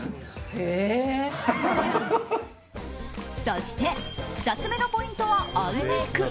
そして、２つ目のポイントはアイメイク。